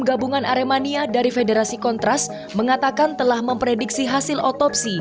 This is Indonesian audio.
gabungan aremania dari federasi kontras mengatakan telah memprediksi hasil otopsi